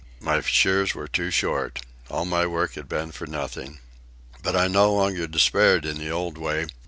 My shears were too short. All my work had been for nothing. But I no longer despaired in the old way.